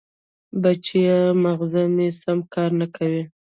بچیه! ماغزه مې سم کار نه کوي.